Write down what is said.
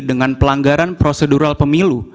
dengan pelanggaran prosedural pemilu